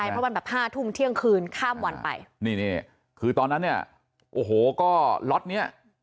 เพราะวันแบบห้าทุ่มเที่ยงคืนข้ามวันไปนี่นี่คือตอนนั้นเนี่ยโอ้โหก็ล็อตเนี้ย